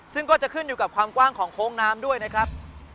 ซึ่งก็จะขึ้นอยู่กับความกว้างของโค้งน้ำด้วยนะครับ